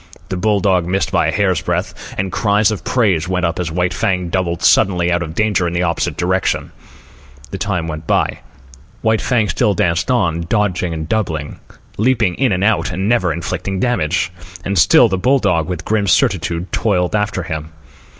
The bull dog missed by a hair's breadth, and cries of praise went up as White Fang doubled suddenly out of danger in the opposite direction. The time went by. White Fang still danced on, dodging and doubling, leaping in and out, and ever inflicting damage. And still the bull dog, with grim certitude, toiled after him.